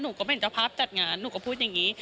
ก็เป็นเจ้าภาพจัดงานหนูก็พูดอย่างนี้